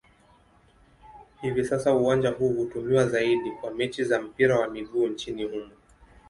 Hivi sasa uwanja huu hutumiwa zaidi kwa mechi za mpira wa miguu nchini humo.